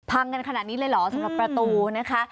กันขนาดนี้เลยเหรอสำหรับประตูนะคะ